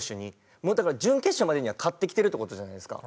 もうだから準決勝までには勝ってきてるって事じゃないですか。